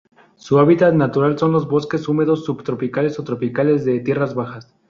Su hábitat natural son los bosques húmedos subtropicales o tropicales de tierras bajas.